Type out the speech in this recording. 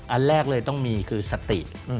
อันแรกเลยต้องมีคือสติ